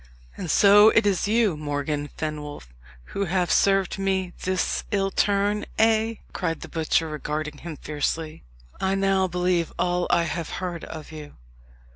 "And so it is you, Morgan Fenwolf, who have served me this ill turn, eh?" cried the butcher, regarding him fiercely. "I now believe all I have heard of you."